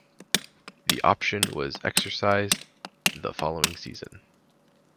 The option was exercised the following season.